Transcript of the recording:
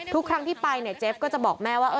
ทุกครั้งที่ไปเจฟจะบอกแม่ว่า